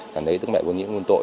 là lễ tức mẹ vô nhiễm nguồn tội